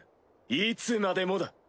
いつまでもだ。